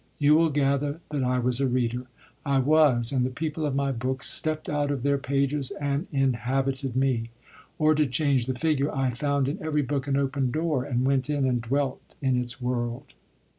You will gather that I was a reader. I was, and the people of my books stepped out of their pages and inhabited me. Or, to change the figure, I found in every book an open door, and went in and dwelt in its world.